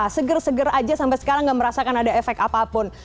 seger seger aja sampai sekarang nggak merasakan ada efek apapun